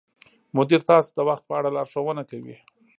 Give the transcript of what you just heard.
مدیر تاسو ته د وخت په اړه لارښوونه کوي.